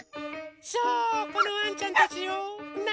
そうこのワンちゃんたちよ。ね！